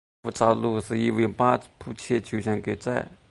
莱夫扎茹是一位马普切酋长的儿子。